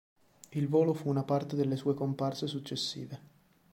Il volo fu una parte delle sue comparse successive.